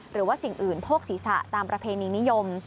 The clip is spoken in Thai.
หรือว่าสิ่งอื่นโพกศีรษะตามประเพณีนิยม